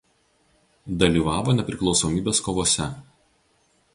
Dalyvavo Nepriklausomybės kovose.